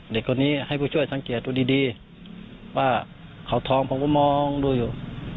เด็กคนนี้ให้ผู้ช่วยสังเกตดูดีว่าเขาทองผมก็มองดูอยู่